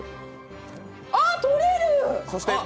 あ、取れる！